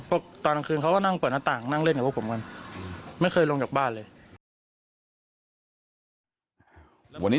เพราะตอนนักคืนเขาก็นั่งเปิดหน้าต่างนั่งเล่นกับพวกผมกัน